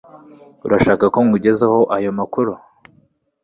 Urashaka ko nkugezaho ayo makuru?